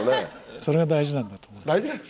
それが大事なんだと思います。